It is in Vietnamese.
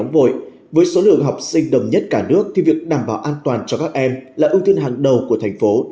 với số lượng học sinh đồng nhất cả nước thì việc đảm bảo an toàn cho các em là ưu tiên hàng đầu của thành phố